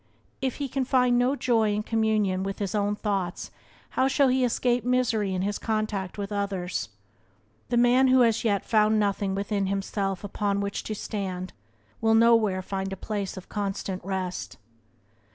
If he can find no joy in communion with his own thoughts how shall he escape misery in his contact with others? The man who has yet found nothing within himself upon which to stand will nowhere find a place of constant rest.